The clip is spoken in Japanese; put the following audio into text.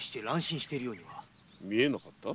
見えなかった？